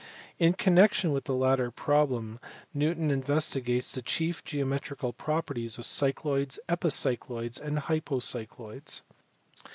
In connection with the latter problem Newton investigates the chief geometrical properties of cycloids, epicycloids, and hypocycloids.